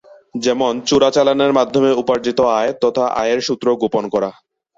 যেমন, চোরাচালানের মাধ্যমে উপার্জিত আয় তথা আয়ের সূত্র গোপন করা।